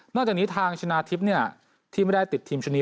จากนี้ทางชนะทิพย์ที่ไม่ได้ติดทีมชะนี